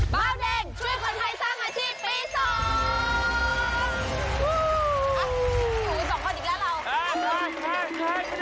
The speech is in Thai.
บาวเด็กช่วยคนไทยสร้างอาชีพปี๒